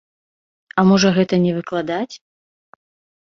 А можна гэта не выкладаць?